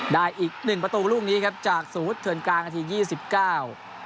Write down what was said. ได้อีกหนึ่งประตูรุ่งนี้ครับจากสูตรเถิดกลางหน้าทียี่สิบเก้า